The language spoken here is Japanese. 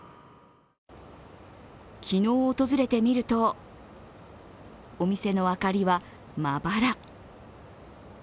昨日訪れてみるとお店の明かりは、まばら。